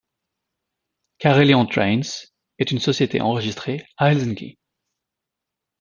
Karelian Trains est une société enregistrée à Helsinki.